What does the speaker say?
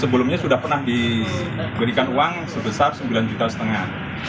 sebelumnya sudah pernah diberikan uang sebesar rp sembilan lima ratus